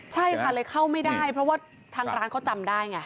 ใช่ค่ะเลยเข้าไม่ได้เพราะว่าทางร้านเขาจำได้ไง